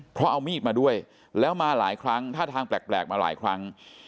เพราะเอามีดมาด้วยแล้วมาหลายครั้งท่าทางแปลกมาหลายครั้ง